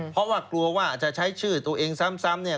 เพราะว่ากลัวว่าจะใช้ชื่อตัวเองซ้ำเนี่ย